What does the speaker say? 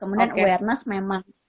kemudian awareness memang